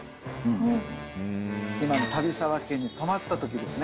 今の旅沢家に泊まった時ですね。